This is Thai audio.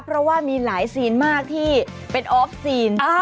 เพราะว่ามีหลายซีนมากที่เป็นออฟซีน